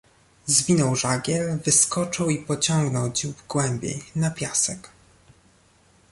"Zwinął żagiel, wyskoczył i pociągnął dziób głębiej, na piasek."